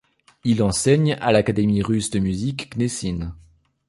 Il enseigne à l'Académie russe de musique Gnessine.